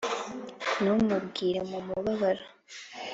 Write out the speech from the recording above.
ntumbwire, mu mubabaro,